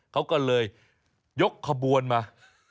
เขาก็เลยยกขบวนมา